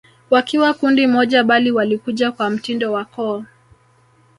Wakiwa kundi moja bali walikuja kwa mtindo wa koo